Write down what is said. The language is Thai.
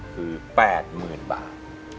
คือแปดหมื่นบาท